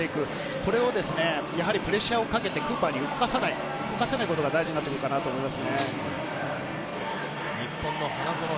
これをプレッシャーをかけてクーパーに動かさないことが大事になってくると思います。